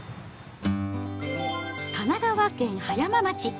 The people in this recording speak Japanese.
神奈川県葉山町。